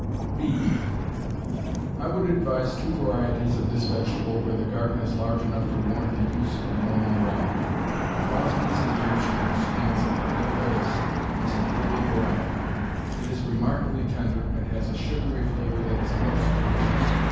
Beet I would advise two varieties of this vegetable where the garden is large enough to warrant the use of more than one. Crosby's Egyptian stands at the head of the list as an early variety. It is remarkably tender, and has a sugary flavor that is most delicious.